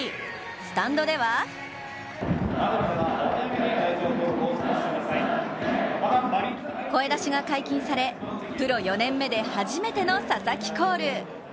スタンドでは声出しが解禁されプロ４年目で初めての佐々木コール。